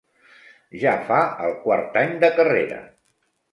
Ja fa el quart any de carrera.